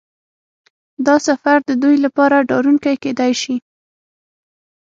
دا سفر د دوی لپاره ډارونکی کیدای شي